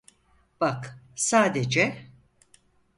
Bak, sadece…